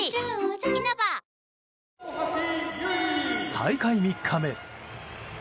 大会３日目。